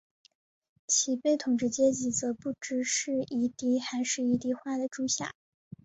其被统治阶层则不知是夷狄还是夷狄化的诸夏。